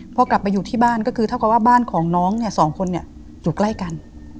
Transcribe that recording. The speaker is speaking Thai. พอกลับไปอยู่ที่บ้านก็คือเท่ากับว่าบ้านของน้องเนี่ยสองคนอยู่ใกล้กัน